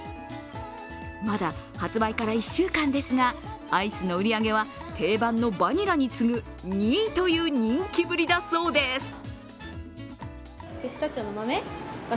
まだ発売から１週間ですが、アイスの売り上げは定番のバニラに次ぐ２位という人気ぶりだそうです。